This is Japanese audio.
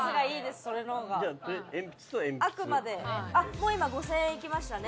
もう今５０００円いきましたね。